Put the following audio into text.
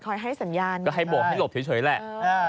ให้สัญญาณก็ให้โบกให้หลบเฉยแหละ